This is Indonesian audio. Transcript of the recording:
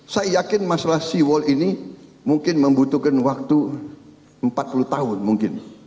saya yakin masalah sea wall ini mungkin membutuhkan waktu empat puluh tahun mungkin